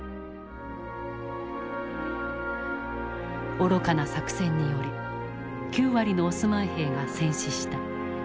愚かな作戦により９割のオスマン兵が戦死した。